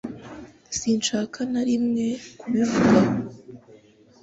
Sinshaka na rimwe kubivugaho